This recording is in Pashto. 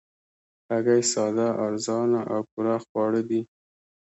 هګۍ ساده، ارزانه او پوره خواړه دي